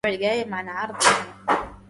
دنياي ناشزة فإن فارقتها